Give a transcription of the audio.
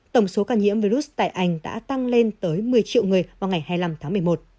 tổng số ca nhiễm virus tại anh đã tăng lên tới một mươi triệu người vào ngày hai mươi năm tháng một mươi một